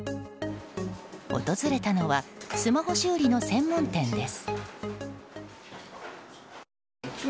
訪れたのはスマホ修理の専門店です。